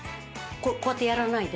こうやってやらないで？